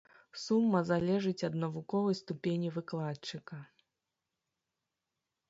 Сума залежыць ад навуковай ступені выкладчыка.